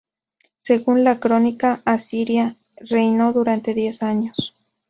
Según la "Crónica asiria", reinó durante diez años.